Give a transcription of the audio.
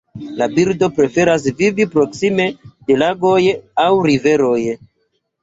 La birdo preferas vivi proksime de lagoj aŭ riveroj.